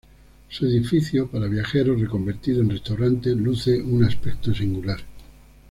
Su edificio para viajeros reconvertido en restaurante luce un aspecto singular.